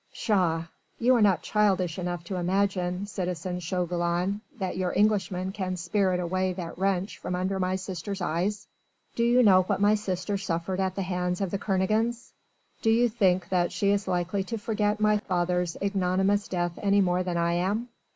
"Pshaw! you are not childish enough to imagine, citizen Chauvelin, that your Englishman can spirit away that wench from under my sister's eyes? Do you know what my sister suffered at the hands of the Kernogans? Do you think that she is like to forget my father's ignominious death any more than I am?